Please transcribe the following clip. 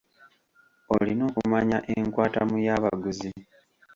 Olina okumanya enkwatamu y’abaguzi.